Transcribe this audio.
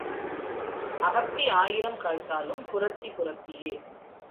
அகத்தி ஆயிரம் காய்த்தாலும் புறத்தி புறத்தியே.